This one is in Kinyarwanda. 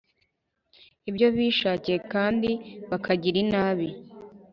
ibyo bishakiye kandi bakagira inabi